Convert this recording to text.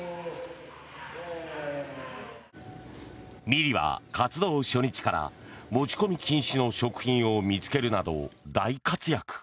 ミリは活動初日から持ち込み禁止の食品を見つけるなど大活躍。